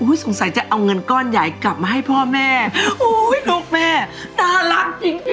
สงสัยจะเอาเงินก้อนใหญ่กลับมาให้พ่อแม่ลูกแม่น่ารักจริงจริง